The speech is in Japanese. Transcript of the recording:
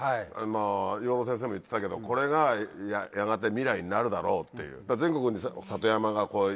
養老先生も言ってたけどこれがやがて未来になるだろうっていう。